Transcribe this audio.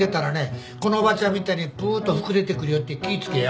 このおばちゃんみたいにぷーっと膨れてくるよって気ぃ付けや。